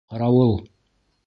Ҡарауыл!